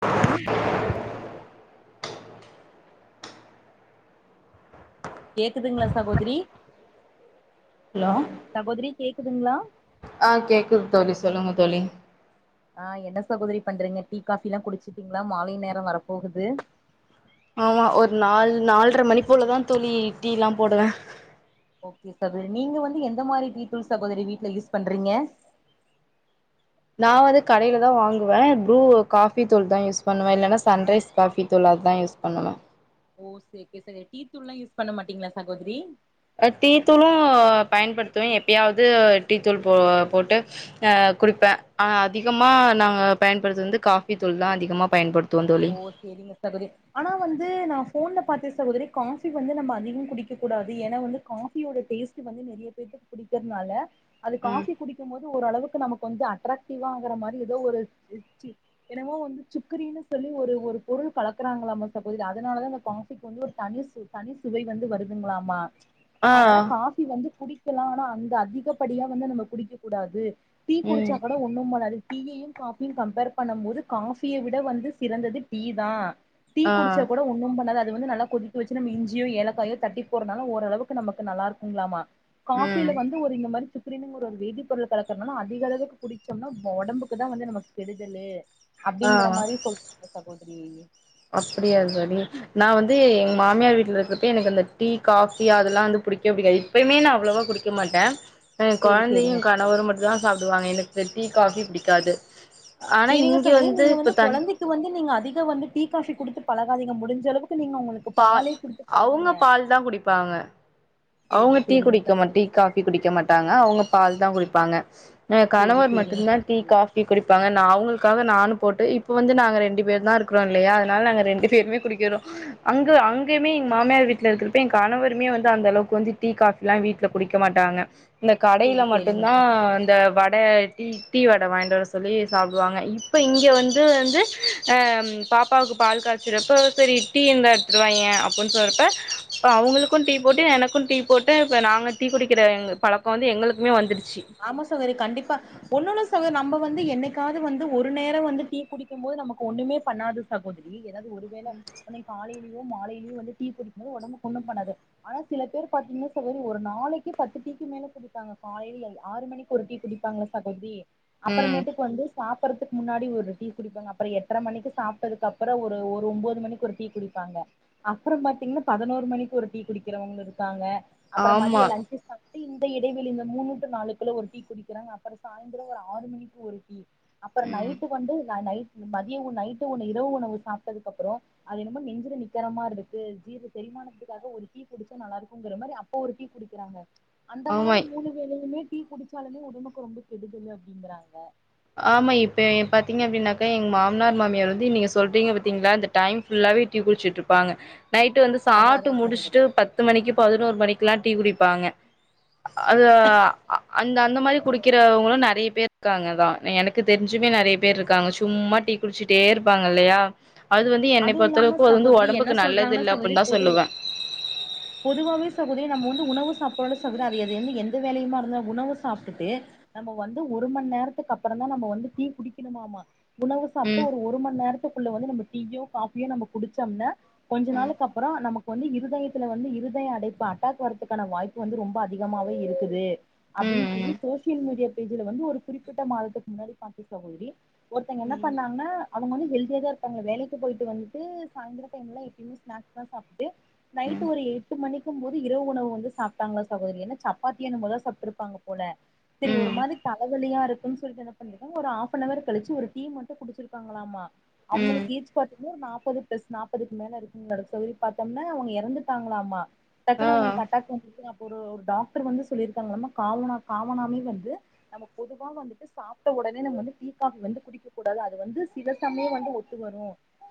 கோதரி கேக்குதுங்களா சகோதரி ஹலோ சகோதரி கேக்குதுங்களா ஆ கேக்குது தோழி சொல்லுங்க தோழி ஆ என்ன சகோதரி பண்றீங்க டீ காஃபி ல்லாம் குடிச்சட்டீங்களா மாலை நேரோ வரப்போகுது ஆமா ஒரு நால் நால்ர மணி போலதா தோழி டீ ல்லாம் போடுவே ஓகே சகோதரி நீங்க வந்து எந்த மாரி டீ தூள் சகோதரி வீட்டுல யூஸ் பண்றீங்க நா வந்து கடையில தா வாங்குவே ப்ரூ காஃபி தூள் தா யூஸ் பண்ணுவே இல்லேன்னா சன்ரைஸ் காஃபி தூள் அத்தா யூஸ் பண்ணுவே ஓ சரி சரி டீ தூள்லா யூஸ் பண்ண மாட்டீங்களா சகோதிரி அ டீத்தூளும் பயன்படுத்துவே எப்பயாவ்து டீத்தூள் போ போட்டு ஆ குடிப்ப ஆனா அதிகமா நாங்க பயன்படுத்துது வந்து காஃப்பி தூள் தா அதிகமா பயன்படுத் துவோ தோழி செரிங்க சகோத்ரி ஆனா வந்து நா ஃபோன்ல பாத்தே சகோதரி காஃபி வந்து நம்ம அதிகம் குடிக்க கூடாது ஏன்னா வந்து காஃபியோட டேஸ்ட் டு வந்து நெறைய பேத்துக்கு பிடிக்கிறனால அது ம் காஃபி குடிக்கும் மோது ஓரளவுக்கு நமக்கு வந்து அட்ராக்ட் ட்டிவா ஆகுறா மாரி ஏதோ ஒரு என்னமோ வந்து சுக்கிரின்னு சொல்லி ஒரு ஒரு பொருள் கலக்கறாங்கலாமா சகோதரி அதனாலாதா அந்த காஃபிக்கு வந்து ஒரு தனி சு தனி சுவை வந்து வருதுங்லாமா ஆ அதனால காஃபி வந்து குடிக்கலாம் ஆனா அங்க அதிகப்படியா வந்து நம்ம குடிக்க கூடாது டீ குடிச்சா ம் கூட ஒண்ணும் பண்ணாது டீயையும் காஃபியும் கம்பேர் பண்ண மோது காஃபிய விட வந்து சிறந்தது டீ தா டீ ஆ குடிச்சா கூட ஒ ஒன்னும் பண்ணாது அது வந்து நல்லா கொதிக்க வச்சு நம்ம இஞ்சியோ ஏலக்காயோ தட்டி போறனால ஓரளவுக்கு நமக்கு நல்லா இருக்குங்ளாமா காஃபில ம் வந்து ஒரு இந்த மாரி சுக் சுக்கிரிம்ங்கற ஒரு வேதிப் பொருள் கலக்கறனால அதிக அளவுக்கு குடிச்சம்னா ஒடம்புக்குதா வந்து நமக்கு கெடுதலு அப்டிங்கற மாரி சொல்றீங்க சகோதிரி அப்படியா தோழி நா வந்து எங்க மாமியார் வீட்ல இருக்கப்ப எனக்கு அந்த டீ காஃபி அதெல்லாம் வந்து பிடிக்கவே பிடிக்காது எப்பயுமே நா அவ்ளவா குடிக்க மாட்ட என் சேரி சேரிங்க கொழந்தையும் சகோதரி கணவரும் மட்டும் தா சாப்டுவாங்க எனக்கு டீ காஃபி பிடிக்காது ஆனா சேரிங்க இங்க சகோதரி வந்து நீங்க இப்ப தன் கொழந்தைக்கு வந்து நீங்க அதிகோ வந்து டீ காஃபி குடுத்து பழகாதிங்க முடிஞ்ச அளவுக்கு நீங்க உங்களுக்கு பால் பாலே குடுத்து பழகுங்க அவுங்க பால் தா குடிப்பாங்க சேரி அவுங்க டீ சேரிங்க குடிக்க மாட் டீ சகோதரி காஃபி குடிக்க மாட்டாங்க அவங்க பால் தா குடிப்பாங்க என் சேரி கணவர் சேரிங்க மட்டும்தா டீ சகோதரி காஃப் பி குடிப்பாங்க நா அவங்களுக்காக நானும் போட்டு இப்ப வந்து நாங்க ரெண்டு பேர் தா இருக்குறோ இல்லயா அதனால நாங்க ரெண்டு பேருமே குடிக்கிறோம் அங்க அங்கயுமே எங்க மாமியார் வீட்ல இருக்குறப்ப என் கணவருமே வந்து அந்தளவு வந்து டீ காஃபிலா வீட்ல குடிக்க மாட்டாங்க இந்த கடையில சேரி மட்டும் சேரிங்க தா ச இந்த வட டீ டீ வட வாங்கிட்டுவர சொல்லி சாப்டுவாங்க இப்போ இங்க வந்து வந்து அ பாப் பாவுக்கு பால் காய்ச்சறப்பா சரி டீ இருந்தா எடுத்துட்டுவாயேன் அப்டின் சொல்றப்ப அப்ப அவங்களுக்கும் டீ போட்டு எனக் கும் டீ போட்டு இப்ப நாங்க டீ குடிக்கிற எங்க பழக்கம் வந்து எங்களுக்குமே வந்துடுச்சு ஆமா சகோதரி கண்டிப்பா ஒன்னோனு சொல்ற நம்ப வந்து என்னைக்காவது வந்து ஒரு நேரம் வந்து டீ குடிக்கும் போது நமக்கு ஒண்ணுமே பண்ணாது சகோதிரி நீங்க எதாவ்து ஒரு வேள என்னக் காலையிலயோ மாலையிலயோ வந்து டீ குடிக் போ ஒடம்புக்கு ஒன்னும் பண்ணாது ஆனா சில பேர் பாத்தீங்கன்னா சகோரி ஒரு நாளைக்கு பத்து டீக்கு மேல குடிப்பாங்க காலைல எல்லா ஆறு மணிக்கு ஒரு டீ குடிப்பாங்களா சகோதரி ம் அப்புறமேட்டுக்கு வந்து சாப் ப்பறதுக்கு முன்னாடி ஒரு டீ குடிப்பாங்க அப்பற எட்ர மணிக்கு சாப்ட்டதுக்கு அப்பற ஒரு ஒம்போது மணிக்கு ஒரு டீ குடிப்பாங்க அப்புறம் பாத்தீங்ன்னா பதினோரு மணிக்கு ஒரு டீ குடிக்கிறவங்ளு இருக்காங்க அப்பறம் ஆமா மதியம் லன்ச்சு சாப்ட்டு இந்த இடைவெளி இந்த மூண்ணு டூ நாலு ஒரு டீ குடிக்கிறாங்க அப்பறம் சாய்ந்திரம் ஒரு ஆறு மணிக்கு ஒரு டீ அப்பறம் நைட்டுக்கு வந்து நா நைட் மதியம் உ நைட்டு ஒன்னு இரவு உணவு சாப்ட்டதுக்கு அப்பறோ அது என்னமோ நெஞ்சுல நிக்கரமாரி இருக்கு ஜீரண செரிமானதுக்காக ஒரு டீ குடிச்சா நல்லா இருக்குங்கிற மாரி அப் ப்ப ஒரு டீ குடிக்கிறாங்க அந்த ஆமா மாரி மூணு வேளயுமே டீ குடிச்சாலுமே ஒடம்புக்கு ரொம்ப கெடுதலு அப்டிங்கறாங்க ஆமா இப்ப எ பாத்தீங்க அப்படின்னாக்கா எங் மாமனார் மாமியார் வந்து நீங்க சொல்றீங்க பாத்தீங்களா இந்த டைம் ஃபுல்லாவே டீ குட்ச்சுட்டு இருப்பாங்க நைட்டு வந்து அதா சாட்டு அதா முடிச்சுட்டு சகோதரி பத்து மணிக்கு பதினோரு மணிக்குல்லா டீ குடிப்பாங்க அது அ அந்த அந்த மாரி குடிக்கிறவங்களூ நெறைய பேர் இருக்காங்க அதா எனக்கு தெரிஞ்சுமே நெறய பேர் இருக்காங்க சும்மா டீ குடிச்சிட்டே இருப்பாங்க இல்லயா அது வந்து என்னை அதுவு இல்லாம பொறுத்தளவுக்கு அது வந்து சகோதரி என்ன ஒடம்புக்கு நல்லது சொல்றாங்கன்னா இல்ல அப்பன் சகோதரி தா பொதுவா சொல்லுவே பொதுவாவே சகோத்ரி நம்ம வந்து உணவு சாப்பாடு சகுர அது எது வந்து எந்த வேலையுமா இருந்தா உணவு சாப்ட்டுட்டு நம்ம வந்து ஒரு மண் நேரத்துக்கு அப்புறம் தா நம்ம வந்து டீ குடிக்கணுமாமா உணவு சாப்ட்டு ம் ஒரு மண் நேரத்துக்குள்ள வந்து நம்ம டீயோ காபியோ நம்ம குடிச்சோம்னா கொஞ்ச ம் நாளுக்கு அப்பறோ நமக் வந்து இருதயத்துல வந்து இருதய அடைப்பு அட்டாக் வரதுக்கான வாய்ப்பு வந்து ரொம்ப அதிகமாவே இருக்குது அப்படின்னு சொல்லி ம் சோசியல் மீடியா பேஜ்ல வந்து ஒரு குறிப்பிட்ட மாதத்துக்கு முன்னாடி பாத்தே சகோதரி ஒருத்தவங்க என்ன பண்ணாங்கன்னா அவங்க வந்து ஹெல்தியா தா இருப்பாங்க வேலைக் க்கு போயிட்டு வந்ட்டு சாயந்தர டைம்ல எப்பயுமே ஸ்நாக்ஸ் தா சாப்ட்டு நைட் ம் ஒரு எட்டு மணிக்கூ போது இரவு உணவு வந்து சாப்பிட்டாங்களா சகோதரி என்னா சப்பாத்தியோ என்னமோ தா சாப்ட்டு இருப்பாங்க போல ம் சரி ஒரு ம் மாதிரி தலைவலியா இருக்குன்னு சொல்ட்டு என்ன பண்ணிருக்காங்க ஒரு ஹாப் ஆனவர் கழிச்சு ஒரு டீ மட்டூ குடிச்சிருக்காங்களாமா ம் அவுங்களுக்கு ஏஜ் பாத்தீங்கன்னா நாப்பது பிளஸ் நாப்பதுக்கு மேல இருக்குங்ளாட்டோ சகேதரி பாத்தோம்னா அவுங்க எறந்துட்டாங்களாமா ஆ பாத்தன்னா அவுங்களுக்கு அட்டாக் வந்து இருக்குங்க அப்ப ஒரு ஒரு டாக்டர் வந்து சொல்லியிருக்காங்கலாம காமனா காமனாமே வந்து நம்ம பொதுவா வந்துட்டு சாப்ட்ட உடனே நம்ம வந்து டீ காபி வந்து குடிக் கக் கூடாது அது வந்து சில சமயம் வந்து ஒத்து வரூ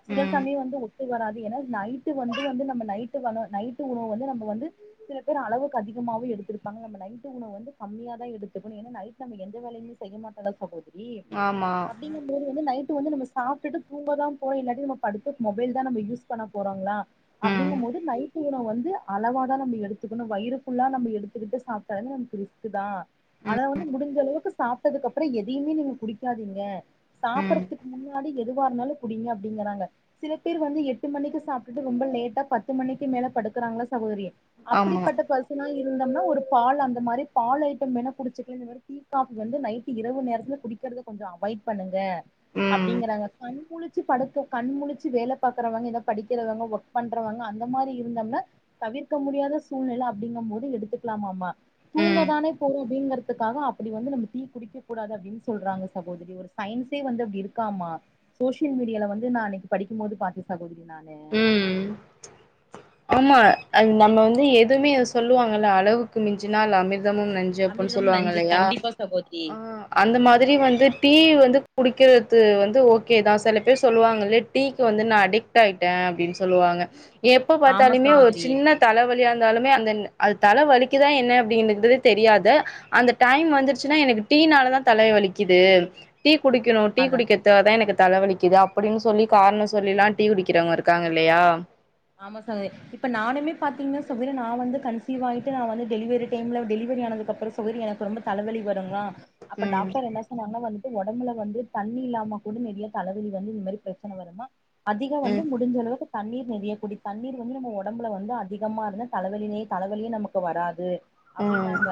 சில ம் சமயம் வந்து ஒத்து வராது ஏன்னா நைட்டு வந்து வந்து நம்ம நைட்டு நைட்டு உணவு வந்து நம்ம வந்து சில பேர் அளவுக்கு அதிகமாவை எடுத்திருப்பாங்க நம்ம நைட்டு உணவு வந்து கம்மியா தா எடுத்துக்கணோ ஏன்னா நைட் நம்ம எந்த வேலையுமே செய்ய மாட்ட தா சொல்லுத் சரி ஆமா அப்டிங்க போது வந்து நைட்டு வந்து நம்ம சாப்ட்டுட்டு தூங்கதாம் போ இல்ல நம்ம படுத்து மொபைல் தா நம் யூஸ் பண்ண போறோங்ளா ம் அப்டிங்கும்போது நைட்டு உணவு வந்து அளவா தா நம்ம எடுத்துக்கணோ வயிறு புல்லா நம்ம எடுத்துக்கிட்டு சாப்பிட்டாலூ நமக்கு ரிஸ்க் கு தான் ஆனா வந்து முடிஞ்ச அளவுக்கு சாப்ட்டதுக்கு அப்புறம் எதையுமே நீங்க குடிக்காதீங்க ம் சாப்பறதுக்கு முன்னாடி எதுவா இருந்தாலூ குடிங்க அப்டிங்குறாங்க சில பேர் வந்து எட்டு மணிக்கு சாப்ட்டுட்டு ரொம்ப லேட்டா பத்து மணிக்கு மேல படுக்கறாங்கில்ல சகோதரி ஆமா அப்படிப்பட்ட பஸ் இத்தின்னால் இருந்தோம்னா ஒரு பால் அந்த மாதிரி பால் ஐட்டம் வேண்ணா குடிச்சிக்கலாங்க அது டீ காபி வந்து நைட் இரவு நேரத்துல குடிக் குடிக்கிறது கொஞ்சோ அவாய்ட் பண்ணுங்க ம் அப்படிங்கிறாங்க ‌அன் ச்சி படுக்க கண் முழிச்சு வேல பாக்குறவங்க ஏதோ படிக்கிறவங்க ஒர்க் பண்றவங்க அந்த மாரி இருந்தோம்ன தவிர்க்க முடியாத சூழ்நிலை அப்படிங்கும் போது எடுத்துக்கலாமாமா ம் தூங்கதானே போறோ அப்படிங்கறதுக்காக அப்படி வந்து நம்ம டீ குடிக்க கூடாது அப்படின்னு சொல்றாங்க சகோதரி ஒரு சயின்ஸே வந்து அப்டி இருக்காமா சோசியல் மீடியாவ்ல வந்து நா அன்னைக்கு படிக்கும் போது பாத்தே சகோதரி நானு ம் ஆமா அத் நம்ம வந்து எதுவுமே சொல்லுவாங்கல்ல அளவுக்கு மிஞ்சுனால் அமிர்தமும் நஞ்சு அப்பட்ன்னு அமிர்தமும் சொல்லுவாங்க நஞ்சு இல்லையா கண்டிப்பா சகோதரி ஆ அந்த மாதிரி வந்து டீ வந்து குடிக்கிறது வந்து ஓகே தா செல பேர் சொல்லுவாங்க லேட் டீக் வந்து நா அடிக்ட் ஆயிட்டே அப்டின்னு சொல்லுவாங்க எப்ப ஆமா பார்த்தாலுமே ஒரு சகோதரி சின்னத் தலைவலியா இருந்தாலுமே அந்த அது தலை வலிக்குதா என்ன அப்படின்னு தெரியாது அந்த டைம் வந்துருச்சுனா எனக்கு டீனால தா தல வலிக்குது டீ குடிக்கணும் டீ அத குடிக்க இத்தா தா எனக்கு தலைவலிக்குது அப்படின்னு சொல்லி காரணம் சொல்லில்லாம் டீ குடிக்கிறவங்க இருக்காங்க இல்லியா ஆமா சகோதரி இப்ப நானுமே பாத்தீங்கன்னா சகோதரி சில சமயத்துல கன்சீவ் ஆயிட்டு நான் வந்து டெலிவரி டைம்ல டெலிவரி ஆனதுக்கு அப்றம் ம் எனக்கு ரொம்ப தலைவலி வருங்களா அப்ப ம் டாக்டர் என்ன நாங்க வந்துட்டு ஒடம்புல வந்து தண்ணி இல்லாம கூட நெறைய தலவலி வந்து இந்த மாரி பிரச்சன வருமா அதிகோ வந்து ம் முடிஞ்ச அளவுக்கு தண்ணீர் நெறைய குடி தண்ணீர் வந்து நம்ம ஓடம்புல வந்து அதிகமா இருந்தா தலவலினே தலைவலியே நமக்கு வராது அப்டினாங்க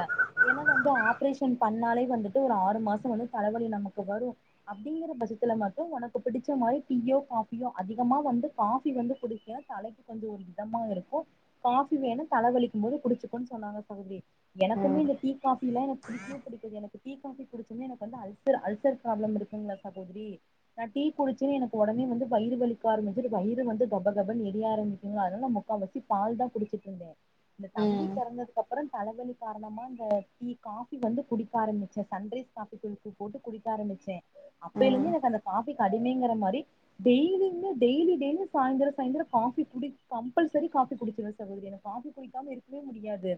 ஏன்னா வந்து ஆப்ரேஷன் பண்ணாலே வந்துட்டு ஒரு ஆறு மாசம் வந்து தலவலி நமக்கு வரு அப்டிங்கிற பட்சத்துல மட்டு உனக்கு பிடிச்ச மாதிரி டீயோ காபியோ அதிகமா வந்து காபி வந்து குடிங்க தலைக்கு கொஞ்சோ ஒரு இதமா இருக்கு காஃபி வேணு தல வலிக்கு போது குடிச்சுக்குகோன்னு சொன்னாங்க சகோதரி ம் எனக்குமே ம் இந்த டீ காபில்லாம பிடிக்கவே பிடிக்காது எனக்கு டீ காபி குடிச்சன்னே எனக்கு வந்து அல்சர் அல்சர் ப்ராப்ளம் இருக்குங்களா சகோதரி நான் டீ குடிச்சோன் எனக்கு உடனே வந்து வயிறுவலிக்க ஆரம்பிச்சிட்டு வயிற வந்து கபகப எரி யா ஆரம்பிக்கங்களா அதனால முக்கா வாசி பால் தா குடிச்சுட்டுருந்தே இந்த தம்பி ம் பொறந்ததுக்கு அப்புற தலவலி காரணமாக இந்த டீ காஃபி வந்து குடிக்க ஆரம்பிச்ச சன்ரைஸ் காஃபி தூள் போட்டு குடிக்க ஆரம்பிச்ச அப்பிலேந்து ம் எனக்கு அந்த காபிக்கு அடிமைங்க மாரி டெய்லியுமே டெய்லி டெய்லி சாயந்ரோ சாயந்ரோ காபி குடி கம்பல்சரி காபி குடிச்சிருவ சகோதரி எனக் காபி குடிக்காம இருக்கவே முடியாது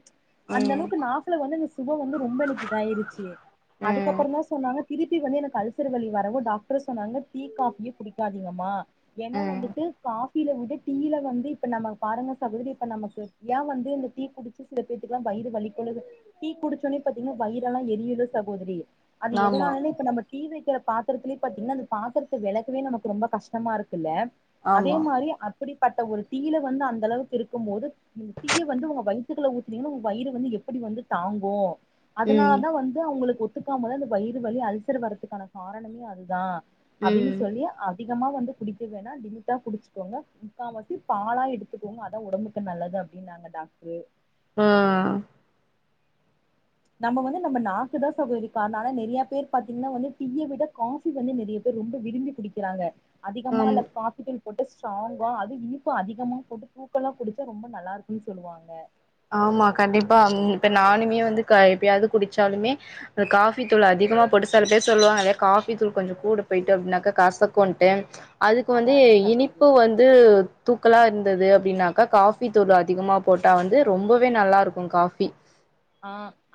அந்த ம் அளவுக்கு நாக்குல வந்து இந்த சுவ வந்து ரொம்ப எனக்கு இதாயிருச்சு ம் அதுக்கப்பற தா சொன்னாங்க திருப்பி வந்து எனக்கு அல்சர்வலி வரவு டாக்டர் சொன்னாங்க டீ காபியே குடிக்காதீங்கம்மா ஏன்னா ம் வந்துட்டு காபில வந்து டீயில வந்து இப்ப நம்ம பாருங்க சகோதரி இப்ப நமக்கு ஏன் வந்து இந்த டீ குடிச்சு சில பேத்துக்கெல்லா வயிறு வலிக்கு டீ குடிச்சோடனே பாத்தீங்கனா வயிறு எல்லா எரியுல சகோதரி அது ஆமா எதனால இப்ப நம்ம தீ வைக்கிற பாத்திரத்துலேயே பாத்தீங்கன்னா அந்த பாத்திரத்த விளக்கவே நமக்கு ரொம்ப கஷ்டமா இருக்குல்ல அதே ஆமா மாரி அப்படிப்பட்ட ஒரு டி யில வந்து அந்த அளவுக்கு இருக்கும்போது டிய வந்து உங்க வயி த்துக்குள்ள உங்க வயிறு வந்து எப்டி வந்து தாங்கு அதனால ம் தா வந்து அவங்களுக்கு ஒ த்துக்காம தா அந்த வயிறு வலி அல்சர் வர்றதுக்கான காரணமே அதுதா அப்டின்னு ம் சொல்லி அதிகமா வந்து குடிக்க வேணா லிமிட்டா குடிச்சுக்கோங்க முக்கா வாசி பாலா எடுத்துக்கோங்க அதா உடம்புக்கு நல்லது அப்படின்னாங்க டாக்டரு ம் நம்ம வந்து நம்ம நாக்குதா சகோதரி காரண நெறையா பேர் பாத்தீங்கன்னா வந்து டீய விட காஃப் பி வந்து நெறைய பேர் ரொம்ப விரும்பி குடிக்கிறாங்க ஆமா அதிகமால காபிதூள் போட்டு ஸ்ட்ராங்கா அது இனிப்பு அதிகமா போட்டு தூக்கலா குடிச்சா ரொம்ப நல்லா இருக்குன்னு சொல்லுவாங்க ஆமா கண்டிப்பா ம் இப்ப நானுமே வந்து எப்பயாவது குடிச்சாலுமே அ காஃப் பி தூள் அதிகமா போட்டு சில பேர் சொல்லுவாங்க அதே காஃபி தூள் கொஞ்ச கூட போயிட்டு அப்டினாக்கா கசக்குன்ட்டு அதுக்கு அதா வந்து அதா சகோதரி இனிப்பு வந்துட்டு வந்து தூக்கலா இருந்தது அப்படின்னாக்கா காஃபி தூள் அதிகமா போட்டா வந்து ரொம்பவே நல்லாருக்கு காஃபி ஆ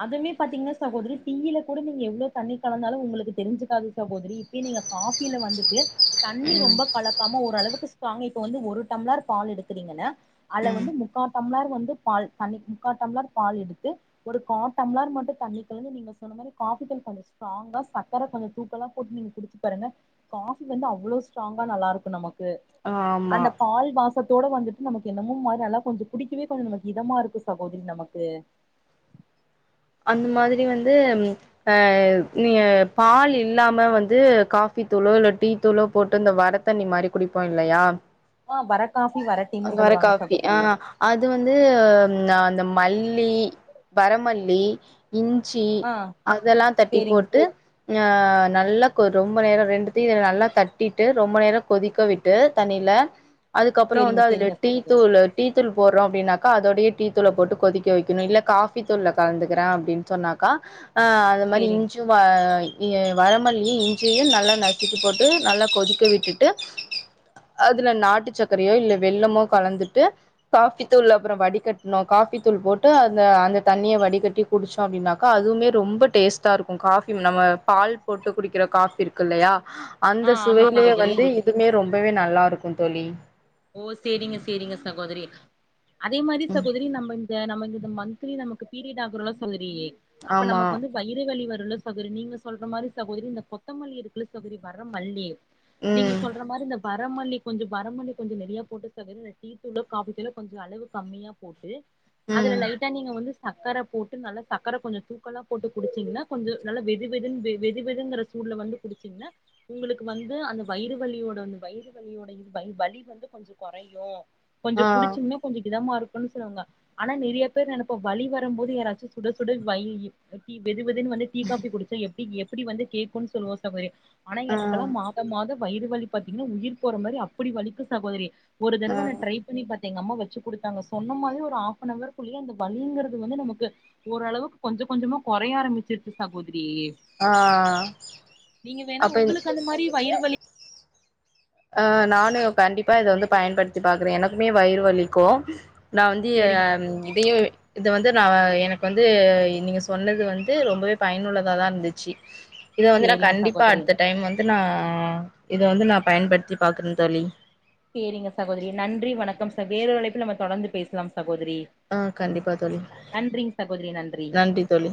அதுமே பாத்தீங்கனா சகோதரி டீயில கூட நீங்க எவ்ளோ தண்ணி கலந்தாலு உங்களுக்கு தெரிஞ்சுக்காது சகோதரி இப்டி நீங்க காஃபில வந்துட்டு தண்ணி ம் ரொம்ப கலக்காம ஓரளவுக்கு ஸ்ட்ராங் இப்ப வந்து ஒரு டம்ளார் பால் எடுக்குறீங்கன்ன அதுல ம் வந்து முக்கா டம்ளார் வந்து பால் தனி முக்கா டம்ளார் பால் எடுத்து ஒரு கா டம்ளர் மட்டு தண்ணி கலந்து நீங்க சொன்ன மாரி காஃபி தூள் கொஞ்ச ஸ் ஸ்ட்ராங்கா சக்கர கொஞ்ச தூக்கலா போட்டு நீங்க குடுச்சு பாருங்க காஃபி வந்து அவ்ளோ ஸ்ட்ராங்கா நல்லா இருக்கு நமக்கு ஆமா அந்த பால் வாச த்தோட வந்துட்டு நமக்கு என்னமோ மாரி நல்லா கொஞ்ச குடிக்கவே கொஞ்சம் நமக்கு இதமா இருக்கு சகோதரி நமக்கு அந்த மாதிரி வந்து ஆ நீங்க பால் இல்லாம வந்து காஃபி தூளோ இல்ல டீ தூளோ போட்டு இந்த வர தண்ணி மாரி குடிப்போ இல்லயா ஆ வர காஃபி வர டீ னு சொல்வாங்க காஃபி ஆ சகோதரி அது வந்து அந்த மல்லி வரமல்லி இஞ்சி ஆ அதெல்லா தட்டி சேரிங்க போட்டு ஆ நல்லா கொ ரொம்ப நேரோ ரெண்டு த்தி இதுல நல்லா தட்டிட்டு ரொம்ப நேரோ கொதிக்க விட்டு தண்ணில அதுக்கப்றோ வந்து சேரிங்க அதுல சேரிங்க டீ சகோதரி தூளு டீ தூள் போட்றோ அப்டினாக்கா அதோடிய டீதூள போட்டு கொதிக்க வெக்கனு இல்ல காஃபி தூள்ல கலந்து க்றே அப்டின் சொன்னாக்கா ஆ அது மாரி இஞ் சேரிங் வ இ வரமல்லியு இஞ்சயு நல்லா நசுக்கிபோட்டு நல்லா கொதிக்க விட்டுட்டு அதுல நாட்டு சக்கரையோ இல்ல வெல்லமோ கலந்துட்டு காஃபி தூள்ல அப்றோ வடிகட்னு காஃபி தூள் போட்டு அந்த அந்த தண்ணிய வடிகட் டி குடிச்சோ அப்டின்னாக்கா அதுவுமே ரொம்ப டேஸ்ட்டாருக்கு காஃபி நம்ம பால் போட்டு குடிக்கிற காஃபி இரு க்குல்லயா ஆ அந்த ஆமா சுவையிலே சகோதரி வந்து இதுமே ரொம்பவே நல்லாருக்கு தோழி ஓ சேரிங்க சேரிங்க சகோதரி அதே மாரி ம் சகோதரி நம்ப ய நமக் இந்த மன்த்லி நமக்கு பீரியட்டு ஆகுரோல்ல சகோதரி அப்ப ஆமா நமக்கு வந்து வயிறு வலி வருல சகோரி நீங்க சொல்ற மாரி சகோதரி இந்த கொத்தமல்லி இருக்குல சகோத்ரி வர மல்லி நீங்க ம் சொல்ற மாரி இந்த வரமல்லி கொஞ்சொ வரமல்லி கொஞ்சொ நறையா போட்டு சகோரி ந்த டீத்தூளோ காஃபித்தூளோ கொஞ்சொ அளவு கம்மியா போட்டு அதுல ம் லைட்டா நீங்க வந்து சக்கர போட்டு நல்லா சக்கர கொஞ்சொ தூக்கலா போட்டு குடிச்சிங்னா கொஞ்சொ நல்லா வெது வெதுன் வெ வெது வெதுங்கற சூட்ல வந்து குடிச்சீங்னா உங்களுக்கு வந்து அந்த வயிறு வலியோட வந்த வயிறு வலியோட இது வய் வலி வந்து கொஞ்சொ கொறயு கொஞ்ச ஆ குடிச்சிங்னா கொஞ்சொ இதமா இருக்குன் சொல்வாங்க ஆனா நெறியா பேர் நெனப்போ வழி வரம்போது யாராச்சு சுட சுட வயி ஆ டீ வெதுவெதுன் வந்து டீ காஃபி குடிச்சா எப்டி எப்டி வந்து கேக்குன் சொல்வோ சகோரி ஆனா ஆ எனக்கெல்லா மா த மாதோ வயிறுவலி பாத்தீங்கன்னா உயிர் போற மாரி அப்டி வலிக்கு சகோதரி ஒரு ஆ தரவ நா ட்ரை பண்ணி பாத்தே எங்கம்மா வச்சு குடுத்தாங்க சொன்ன மாரி ஒரு ஹாஃப்னவர்குள்ளயே அந்த வழிங்கறது வந்து நமக்கு ஓரளவுக்கு கொஞ்ச கொஞ்சமா கொறைய ஆரம்மிச்சிருச்சு சகோதரி ஆ நீங்க வேணா அப்ப உங்களுக்கு அந்த மாரி வயிறு வலி ஆ நானு கண்டிப்பா இத வந்து பயன்படுத்தி பாக்குறே எனக்குமே வயிறு வலிக்கு நா வந்து ய‌ சேரிங்க இதயேவே இது வந்து நா எனக்கு வந்து நீங்க சொன்னது வந்து ரொம்பவே பயனுள்ளதா தா இந்துச்சி இத வந்து நா சேரிங்க கண்டிப்பா சகோதரி அட்த்த டைம் வந்து நா இத வந்து நா பயன்படுத்தி பாக்குறே தோழி சேரிங்க சகோதரி நன்றி வணக்கம் ச வேறொரு அழைப்புல நம்ம தொடர்ந்து பேசலாம் சகோதரி ஆ கண்டிப்பா தோழி நன்றிங் சகோதரி நன்றி தோழி